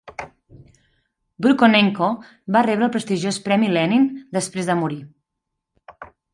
Brukhonenko va rebre el prestigiós Premi Lenin després de morir.